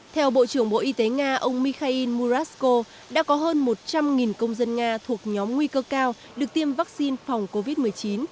theo bộ trưởng bộ y tế nga ông mikhail murasko đã có hơn một trăm linh công dân nga thuộc nhóm nguy cơ cao được tiêm vaccine phòng covid một mươi chín